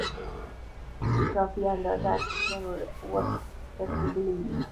چې کافي اندازه اکسیجن ور رسېدلی وي.